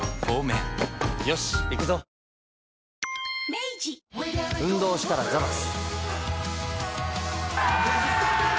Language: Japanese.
明治運動したらザバス。